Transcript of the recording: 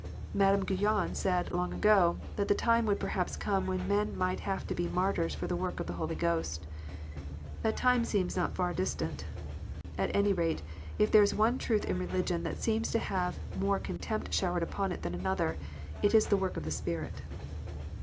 Madame Guyon said, long ago, that the time would perhaps come when men might have to be martyrs for the work of the Holy Ghost. That time seems not far distant. At any rate, if there is one truth in religion that seems to have more contempt showered upon it than another, it is the work of the Spirit.